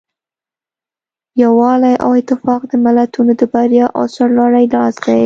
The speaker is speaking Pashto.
یووالی او اتفاق د ملتونو د بریا او سرلوړۍ راز دی.